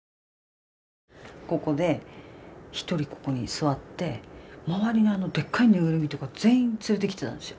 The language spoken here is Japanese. ここで１人ここに座って周りにでっかい縫いぐるみとか全員連れてきてたんですよ。